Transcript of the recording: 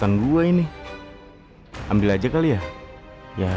jangan lupa like share dan subscribe ya